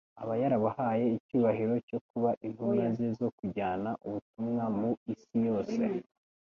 aba yarabahaye icyubahiro cyo kuba intumwa ze zo kujyana ubutumwa mu isi yose.